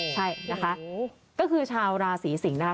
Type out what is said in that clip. ใช่นะคะก็คือชาวราศีสิงศ์นะคะ